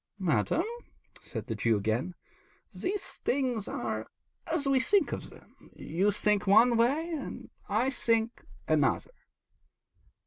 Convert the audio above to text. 'Madam,' said the Jew again, 'these things are as we think of them. You think one way and I another.'